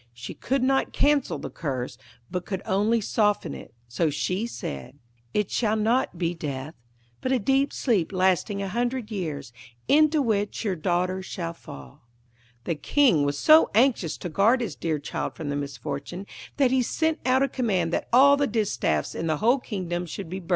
She could not cancel the curse, but could only soften it, so she said: 'It shall not be death, but a deep sleep lasting a hundred years, into which your daughter shall fall.' [Illustration: 'The Thirteenth Fairy.'] The King was so anxious to guard his dear child from the misfortune, that he sent out a command that all the distaffs in the whole kingdom should be burned.